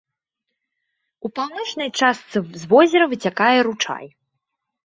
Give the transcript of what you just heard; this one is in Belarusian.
У паўночнай частцы з возера выцякае ручай.